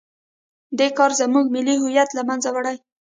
دې کار زموږ ملي هویت له منځه وړی دی.